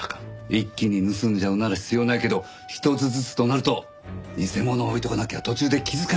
一気に盗んじゃうなら必要ないけど１つずつとなると偽物を置いておかなきゃ途中で気づかれちゃうから！